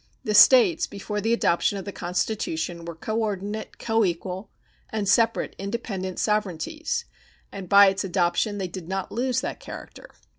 The States before the adoption of the Constitution were coordinate, co equal, and separate independent sovereignties, and by its adoption they did not lose that character.